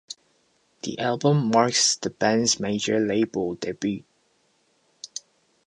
The album marks the band's major label debut.